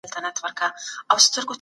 موږ به په سیمه کي یو اقتصادي مرکز سو.